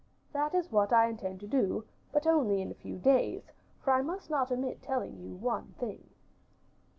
"That is what I intend to do; but only in a few days; for I must not omit to tell you one thing."